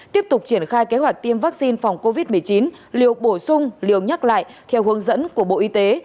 tiếp tục triển khai kế hoạch tiêm vaccine phòng covid một mươi chín liều bổ sung liều nhắc lại theo hướng dẫn của bộ y tế